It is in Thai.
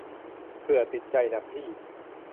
เผื่อติดใจนะพี่